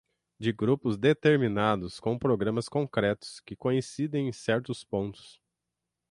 de grupos determinados com programas concretos que coincidem em certos pontos